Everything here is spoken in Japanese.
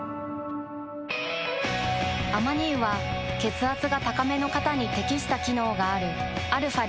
アマニ油は血圧が高めの方に適した機能があるαー